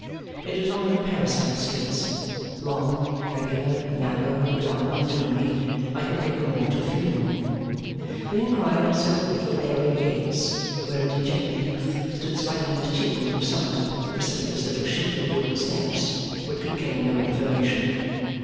It was one of the parasite streets; long, regular, narrow, dull and gloomy; like a brick and mortar funeral. They inquired at several little area gates, where a dejected youth stood spiking his chin on the summit of a precipitous little shoot of wooden steps, but could gain no information.